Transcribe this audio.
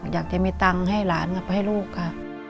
อยากจะมีตังค์ให้หลานกลับไปให้ลูกค่ะ